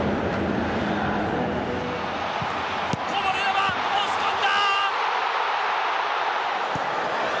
こぼれ球、押し込んだ！